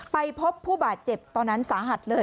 ไปพบผู้บาดเจ็บตอนนั้นสาหัสเลย